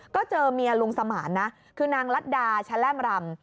ก็เจอเมียลุงสมานนะคือนางรัฐดาแชล่มรำ